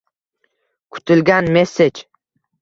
Kutilgan “messej”